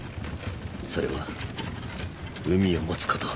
それは海を持つこと。